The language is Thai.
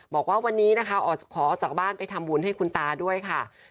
บอกว่าวันนี้นะคะขอออกจากบ้านไปทำบุญให้คุณตาด้วยค่ะ